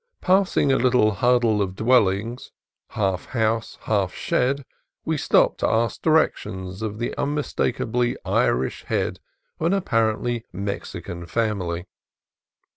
Passing a little huddle of dwellings, half house, half shed, we stopped to ask for directions of the un mistakably Irish head of an apparently Mexican family.